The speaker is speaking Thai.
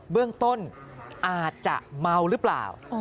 เบื้องต้นอาจจะเมาหรือเปล่า